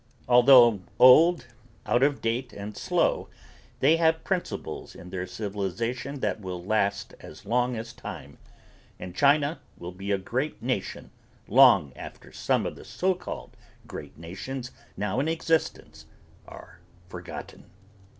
Although old, out of date and slow, they have principles in their civilization that will last as long as time, and China will be a great nation long after some of the so called great nations now in existence are forgotten.